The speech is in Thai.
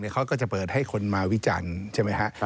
ก็จะเปิดให้คนมาวิจารณ์ใช่ไหมครับ